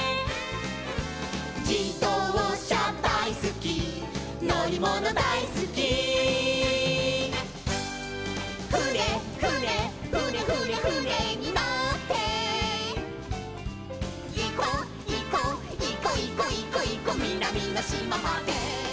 「じどうしゃだいすきのりものだいすき」「ふねふねふねふねふねにのって」「いこいこいこいこいこいこみなみのしままで」